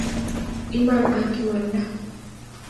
iman ak imanda